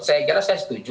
saya kira saya setuju